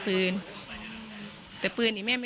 สวัสดีครับ